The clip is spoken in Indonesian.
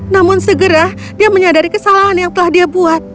namun segera dia menyadari kesalahan yang telah dia buat